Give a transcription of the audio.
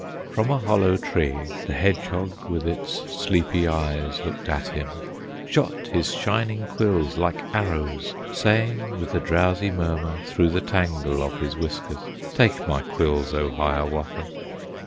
From a hollow tree the Hedgehog With his sleepy eyes looked at him, Shot his shining quills, like arrows, Saying with a drowsy murmur, Through the tangle of his whiskers, "Take my quills, O Hiawatha!"